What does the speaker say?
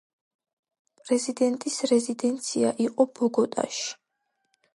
პრეზიდენტის რეზიდენცია იყო ბოგოტაში.